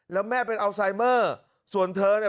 แล้วแม่เป็นอัลไซเมอร์ส่วนเธอเนี่ย